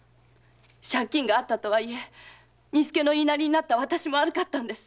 借金があったとはいえ三国屋の言いなりになった私が悪かったんです。